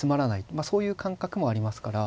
まあそういう感覚もありますから。